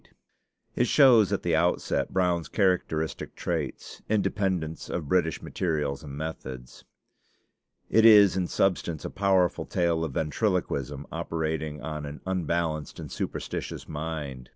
It shows at the outset Brown's characteristic traits independence of British materials and methods. It is in substance a powerful tale of ventriloquism operating on an unbalanced and superstitious mind.